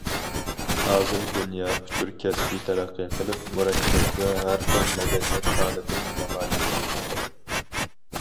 ھازىر دۇنيادا ئۇچۇر كەسپى تەرەققىي قىلىپ، مۇرەككەپ ۋە ھەر خىل مەدەنىيەت ھالىتىنى نامايان قىلماقتا.